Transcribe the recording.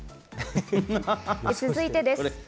続いてです。